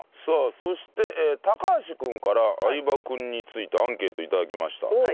そして橋君から相葉君についてアンケート頂きました。